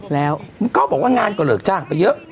แล้วก็บอกว่างานก็เลิกจ้างไปเยอะ